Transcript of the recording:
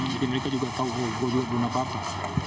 jadi mereka juga tahu gue juga belum apa apa